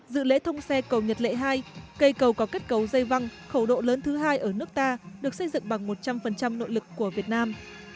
dự lễ thông xe cầu nhật lệ hai cây cầu có kết cấu dây văng khẩu độ lớn thứ hai ở nước ta được xây dựng bằng một trăm linh nội lực của việt nam